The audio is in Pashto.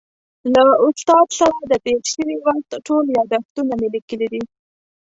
له استاد سره د تېر شوي وخت ټول یادښتونه مې لیکلي دي.